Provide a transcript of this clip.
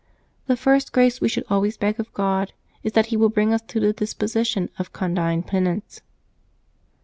The first grace we should always beg of God is that He will bring us to the disposition of condign penance.